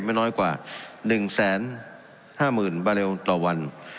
ไม่น้อยกว่า๑๕๐๐๐บาเรลต่อวัน